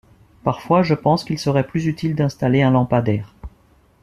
Parfois, je pense qu'il serait plus utile d'installer un lampadaire.